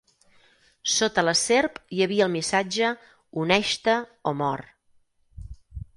Sota la serp hi havia el missatge "Uneix-te o mor".